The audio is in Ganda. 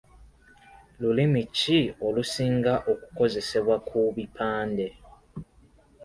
Lulimi ki olusinga okukozesebwa ku bipande?